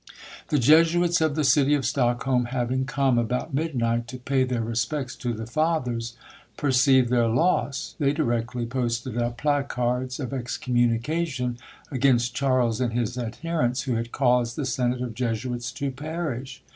The Jesuits of the city of Stockholm having come, about midnight, to pay their respects to the Fathers, perceived their loss. They directly posted up placards of excommunication against Charles and his adherents, who had caused the senate of Jesuits to perish.